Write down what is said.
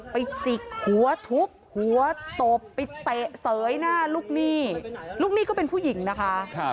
จิกหัวทุบหัวตบไปเตะเสยหน้าลูกหนี้ลูกหนี้ก็เป็นผู้หญิงนะคะ